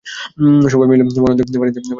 সবাই মিলে মহানন্দে পানিতে ঝাঁপাঝাঁপি করছি।